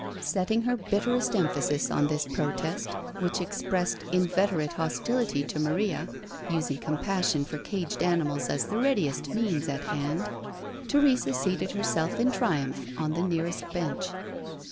Setting her bitterest emphasis on this protest, which expressed inveterate hostility to Maria (using compassion for caged animals as the readiest means at hand), Teresa seated herself in triumph on the nearest bench.